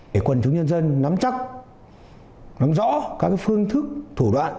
để quần chúng nhân dân nắm chắc nắm rõ các phương thức thủ đoạn